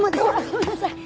ごめんなさい！